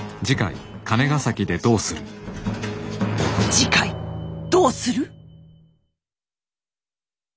次回どうする？